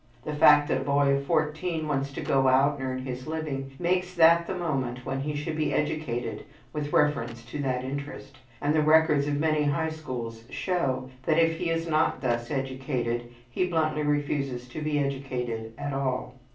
The fact that a boy at fourteen wants to go out and earn his living makes that the moment when he should be educated with reference to that interest, and the records of many high schools show that if he is not thus educated, he bluntly refuses to be educated at all.